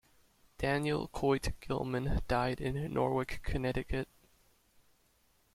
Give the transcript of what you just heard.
Daniel Coit Gilman died in Norwich, Connecticut.